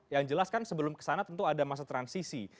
yang jelas kan sebelum kesana tentu ada masa transisi